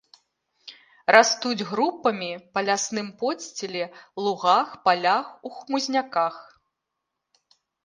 Растуць групамі па лясным подсціле, лугах, палях, у хмызняках.